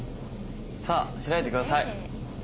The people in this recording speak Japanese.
さあ開いて下さい。